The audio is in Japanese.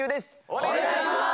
お願いしまーす！